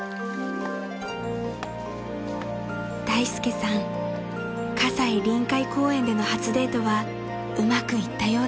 ［大介さん西臨海公園での初デートはうまくいったようです］